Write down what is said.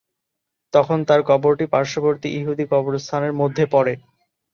তখন তার কবরটি পার্শ্ববর্তী ইহুদি কবরস্থানের মধ্যে পড়ে।